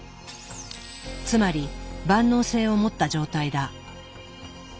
つまり万能性をもった状態だ。